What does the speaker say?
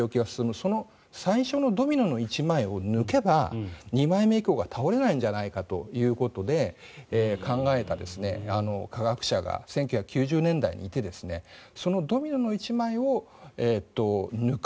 その最初のドミノの１枚を抜けば２枚目以降が倒れないんじゃないかということで考えた科学者が１９９０年代にいてそのドミノの１枚を抜く。